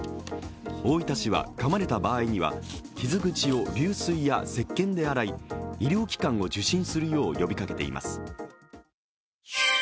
大分市は、かまれた場合には傷口を流水やせっけんで洗い医療機関を受診するよう呼びかけています。